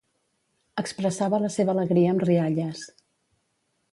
Expressava la seva alegria amb rialles.